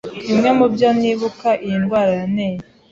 Bimwe mu byo nibuka iyi ndwara yanteye